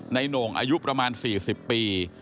โหน่งอายุประมาณ๔๐ปี